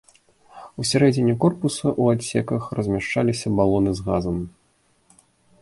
Усярэдзіне корпуса ў адсеках размяшчаліся балоны з газам.